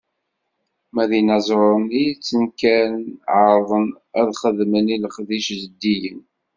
Ma d inaẓuren i d-yettenkaren, ɛerrḍen ad xedmen leqdic zeddigen.